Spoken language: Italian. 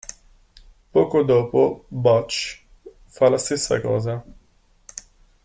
Poco dopo, Butch fa la stessa cosa.